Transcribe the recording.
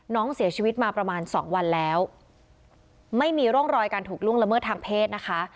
น้องเสียชีวิตมาประมาณสองวันแล้วไม่มีร่องรอยการถูกล่วงละเมิดทางเพศนะคะ